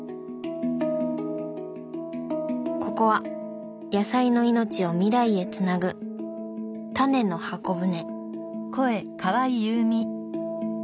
ここは野菜の命を未来へつなぐ「タネの箱舟」。